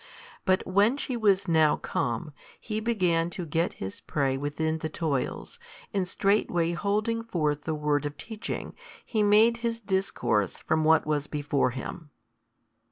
But when she was now come, He began to get His prey within the toils, and straightway holding forth the word of teaching, made His discourse from what was before Him.